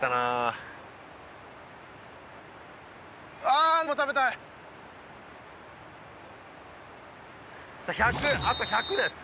あと１００です